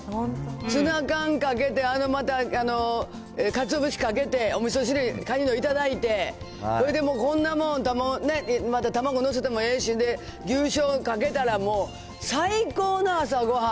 ツナ缶かけて、あのかつお節かけて、おみそ汁、カニの頂いて、それでもう、こんなもん、また卵載せてもええし、牛醤かけたらもう最高の朝ごはん。